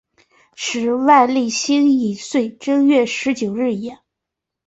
时万历辛己岁正月十九日也。